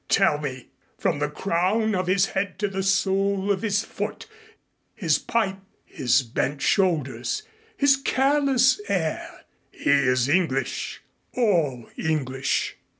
Tell me. From the crown of his head to the sole of his foot his pipe, his bent shoulders, his careless air he is English, all English.